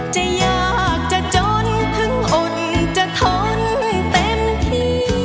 จะยากจะจนถึงอุ่นจะทนเต็มที่